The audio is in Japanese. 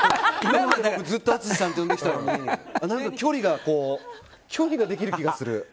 ずっと淳さんって呼んできたのに距離ができる気がする。